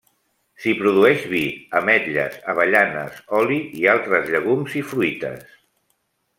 S'hi produeix vi, ametlles, avellanes, oli i altres llegums i fruites.